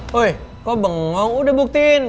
woy kok bengong udah buktiin